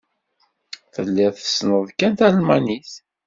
Tellid tessned kan talmanit.